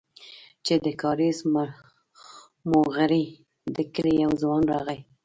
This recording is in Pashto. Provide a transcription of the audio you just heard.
چې د کاريز موغري د کلي يو ځوان راغى.